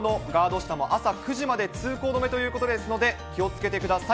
下も、朝９時まで通行止めということですので、気をつけてください。